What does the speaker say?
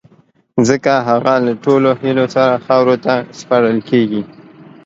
ځڪه هغه له ټولو هیلو سره خاورو ته سپارل کیږی